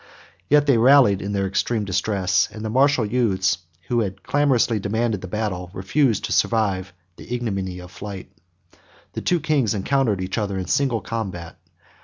Yet they rallied in their extreme distress, and the martial youths, who had clamorously demanded the battle, refused to survive the ignominy of flight. The two kings encountered each other in single combat.